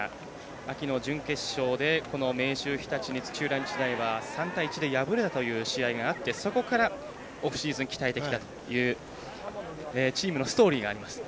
秋の準決勝で土浦日大は敗れたという試合があって、そこからオフシーズン鍛えてきたというチームのストーリーがあります。